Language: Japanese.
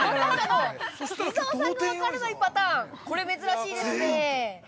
◆伊沢さんが分からないパターンこれ珍しいですね。